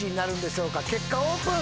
結果オープン。